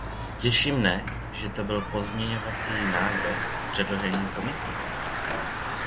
Těší mne, že to byl pozměňovací návrh předložený Komisí.